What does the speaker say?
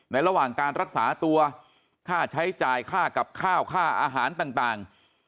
ระหว่างการรักษาตัวค่าใช้จ่ายค่ากับข้าวค่าอาหารต่าง